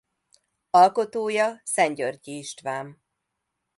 Alkotója Szentgyörgyi István.